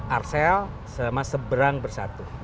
arcel sama seberang bersatu